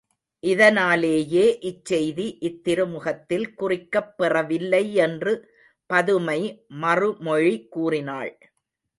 இதனாலேயே இச் செய்தி இத் திருமுகத்தில் குறிக்கப் பெறவில்லை என்று பதுமை மறுமொழி கூறினாள்.